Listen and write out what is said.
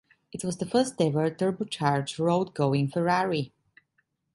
It was the first ever turbocharged road-going Ferrari.